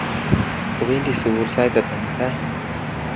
Opendi sukul sait ata mutai?